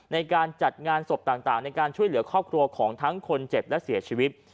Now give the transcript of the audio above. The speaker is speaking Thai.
ในการจัดงานศพต่างในการช่วยเหลือครอบครัวของทั้งคนเจ็บและเสียชีวิต